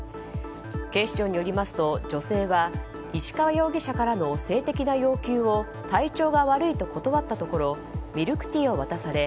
警視庁によりますと女性は石川容疑者からの性的な要求を体調が悪いと断ったところミルクティーを渡され